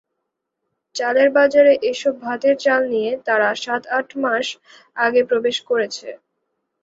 চালের বাজারে এসব ভাতের চাল নিয়ে তারা সাত-আট মাস আগে প্রবেশ করেছে।